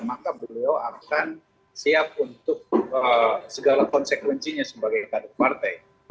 maka beliau akan siap untuk segala konsekuensinya sebagai kader partai